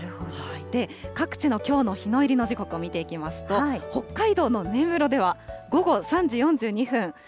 各地のきょうの日の入りの時刻を見ていきますと、北海道の根室では午後３時４２分。